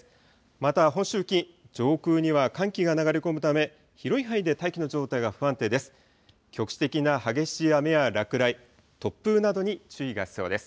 また本州付近、上空には寒気が流れ込むため、広い範囲で大気の状態が不安定です。